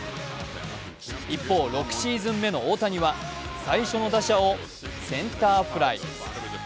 一方、６シーズン目の大谷は最初の打者をセンターフライ。